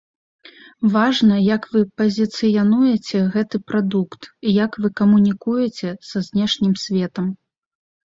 Важна, як вы пазіцыянуеце гэты прадукт, як вы камунікуеце са знешнім светам.